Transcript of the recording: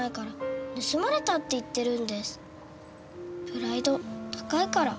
プライド高いから。